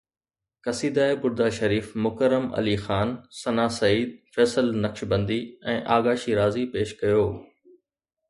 قصيده برده شريف مڪرم علي خان، ثنا سعيد، فيصل نقشبندي ۽ آغا شيرازي پيش ڪيو.